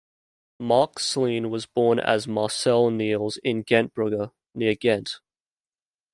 Marc Sleen was born as Marcel Neels in Gentbrugge, near Ghent.